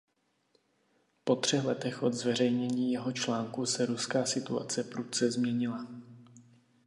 Po třech letech od zveřejnění jeho článku se ruská situace prudce změnila.